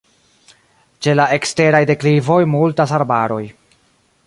Ĉe la eksteraj deklivoj multas arbaroj.